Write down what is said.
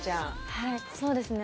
はいそうですね